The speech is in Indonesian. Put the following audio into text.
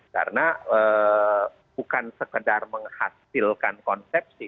karena bukan sekedar menghasilkan konsepsi